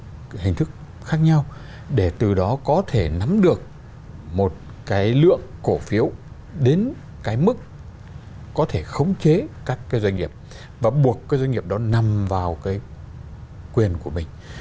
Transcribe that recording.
các hình thức khác nhau để từ đó có thể nắm được một cái lượng cổ phiếu đến cái mức có thể khống chế các cái doanh nghiệp và buộc cái doanh nghiệp đó nằm vào cái quyền của mình